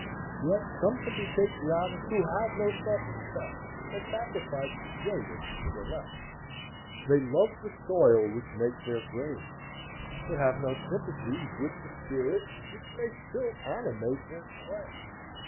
Yet some can be patriotic who have no self respect, and sacrifice the greater to the less. They love the soil which makes their graves, but have no sympathy with the spirit which may still animate their clay.